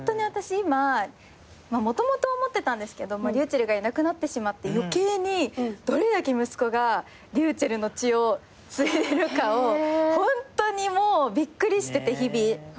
今もともと思ってたんですけどｒｙｕｃｈｅｌｌがいなくなってしまって余計にどれだけ息子がｒｙｕｃｈｅｌｌの血を継いでるかをホントにもうびっくりしてて日々。